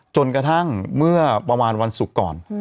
จนกระทั่งเมื่อประมาณวันศุกร์ก่อน